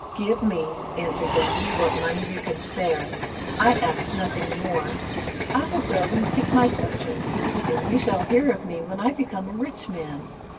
"Give me," answered Dumpy, "what money you can spare, I ask nothing more, I will go and seek my fortune, and you shall hear of me when I become a rich man."